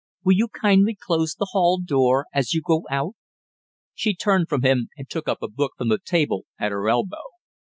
Will you kindly close the hail door as you go out?" She turned from him and took up a book from the table at her elbow.